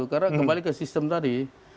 karena kembali ke sistem tadi